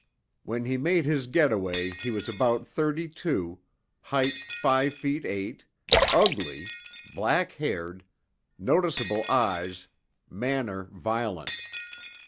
When he made his getaway he was about thirty two, height five feet eight, ugly, black haired, noticeable eyes, manner violent.